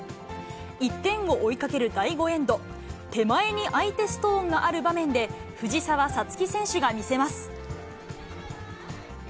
１点を追いかける第５エンド、手前に相手ストーンがある場面で、藤澤五月選手が見せます。